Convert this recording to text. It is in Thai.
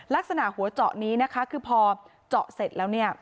ลักษณะหัวเจาะนี้นะคะคือพอเจาะเสร็จแล้วเนี่ย